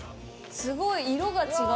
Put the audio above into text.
すごい色が違う。